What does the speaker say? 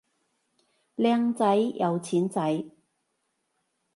靚仔有錢仔